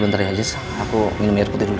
bentar ya jes aku minum air putih dulu ya